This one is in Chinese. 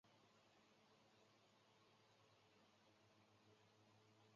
家纹是六鸠酢草纹。